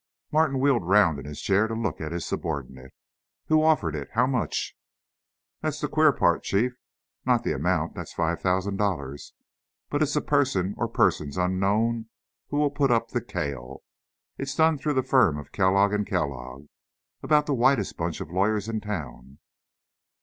Martin wheeled round in his chair to look at his subordinate. "Who offered it? How much?" "That's the queer part, Chief. Not the amount, that's five thousand dollars, but it's a person or persons unknown who will put up the kale. It's done through the firm of Kellogg and Kellogg, about the whitest bunch of lawyers in town.